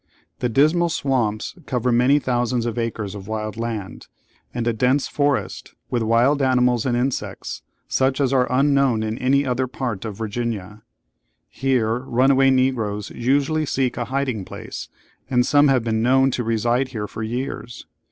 The Dismal Swamps cover many thousands of acres of wild land, and a dense forest, with wild animals and insects, such as are unknown in any other part of Virginia. Here runaway Negroes usually seek a hiding place, and some have been known to reside here for years.